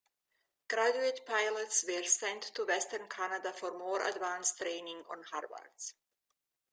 Graduate pilots were sent to western Canada for more advanced training on Harvards.